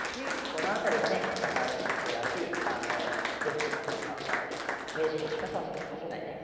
この辺りがね中原先生らしい絶品の指し回しなので名人にしか指せないね